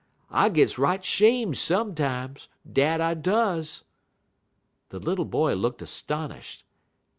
I gits right 'shame' sometimes, dat I does!'" The little boy looked astonished.